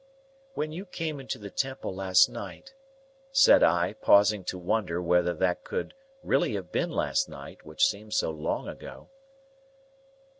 "When you came into the Temple last night—" said I, pausing to wonder whether that could really have been last night, which seemed so long ago.